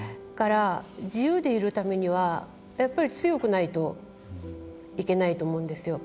自由でいるためにはやっぱり強くないといけないと思うんですよ。